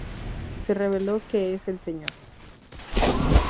Se reveló que el Sr.